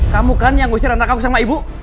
kamu kan yang ngusir antara kamu sama ibu